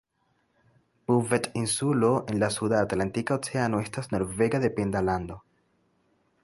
Buvet-Insulo en la suda Atlantika Oceano estas norvega dependa lando.